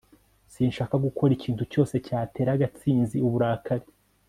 sinshaka gukora ikintu cyose cyatera gatsinzi uburakari